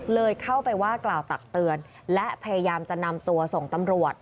เลยเข้าไปว่ากล่าวตักเตือนและพยายามจะนำตัวส่งตำรวจ